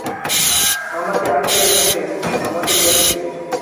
আমাকে আটকে রেখেছে, আমাকে মেরেছে।